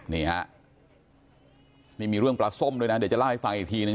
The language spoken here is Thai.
นี่ฮะนี่มีเรื่องปลาส้มด้วยนะเดี๋ยวจะเล่าให้ฟังอีกทีหนึ่ง